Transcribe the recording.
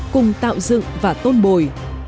cùng tạo dựng và tôn bồi